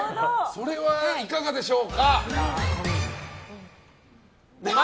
それは、いかがでしょうか？